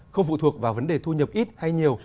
không phụ thuộc vào vấn đề thu nhập ít hay nhiều